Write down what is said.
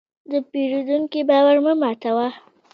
د پیرودونکي باور مه ماتوه.